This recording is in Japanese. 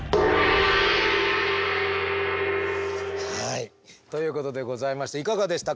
はいということでございましていかがでしたか？